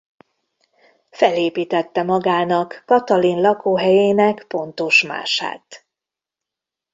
Felépítette magának Katalin lakóhelyének pontos mását.